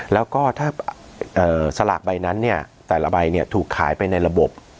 แล้วก็ถ้าสลากใบนั้นเนี่ยแต่ละใบถูกขายไปในระบบ